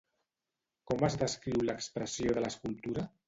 Com es descriu l'expressió de l'escultura?